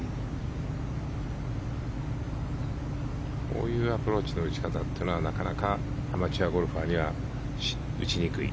こういうアプローチの打ち方というのは、なかなかアマチュアゴルファーには打ちにくい。